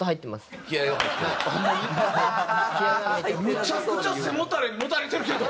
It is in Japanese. むちゃくちゃ背もたれにもたれてるけど。